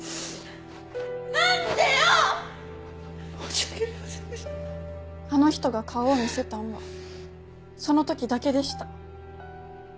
あの人が顔を見せたんはその時だけでした。